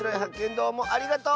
どうもありがとう！